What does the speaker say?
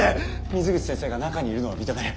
水口先生が中にいるのは認める。